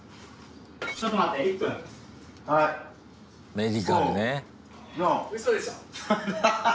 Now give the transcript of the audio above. メディカルね。